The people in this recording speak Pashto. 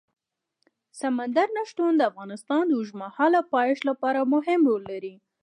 سمندر نه شتون د افغانستان د اوږدمهاله پایښت لپاره مهم رول لري.